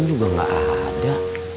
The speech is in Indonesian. luar juga gak ada